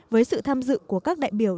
với sự tham dự của các đại biểu